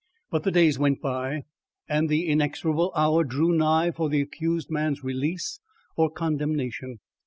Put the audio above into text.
But the days went by and the inexorable hour drew nigh for the accused man's release or condemnation.